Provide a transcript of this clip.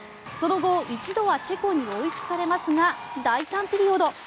その後一度はチェコに追いつかれますが第３ピリオド。